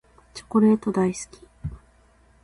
チョコレート大好き。